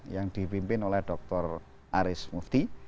yang dipimpin oleh dr aris mufti